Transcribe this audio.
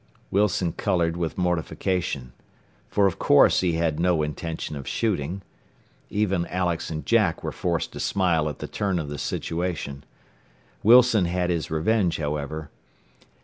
Wilson colored with mortification. For of course he had had no intention of shooting. Even Alex and Jack were forced to smile at the turn of the situation. Wilson had his revenge, however.